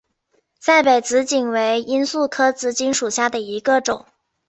赛北紫堇为罂粟科紫堇属下的一个种。